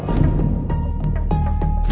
ya ada nikmati